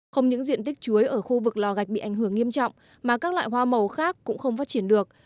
không những diện tích chuối ở khu vực lò gạch bị ảnh hưởng nghiêm trọng mà các loại hoa màu khác cũng không phát triển được